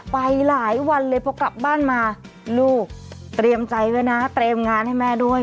ไปหลายวันเลยพอกลับบ้านมาลูกเตรียมใจไว้นะเตรียมงานให้แม่ด้วย